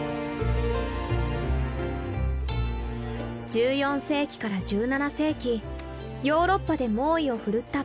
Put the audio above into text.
１４世紀から１７世紀ヨーロッパで猛威を振るったペスト。